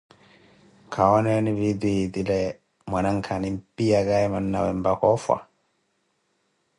Khawooneni vidio etile mwanankha animpiyakaaye mannawe mpaka oofwa ?